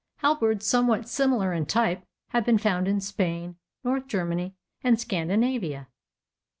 Halberds somewhat similar in type have been found in Spain, North Germany, and Scandinavia.